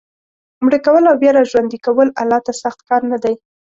مړه کول او بیا را ژوندي کول الله ته سخت کار نه دی.